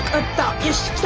よしきた！